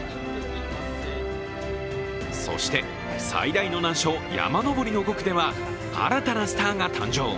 そして、最大の難所・山上りの５区では新たなスターが誕生。